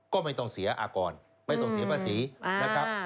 ก็ไม่ต้องเสียอากรไม่ต้องเสียภาษีนะครับ